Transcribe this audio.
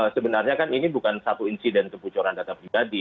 sebenarnya kan ini bukan satu insiden kebocoran data pribadi